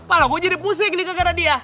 aku jadi pusing nih kegaraan dia